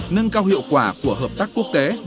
nâng cao hiệu quả của hợp tác quốc tế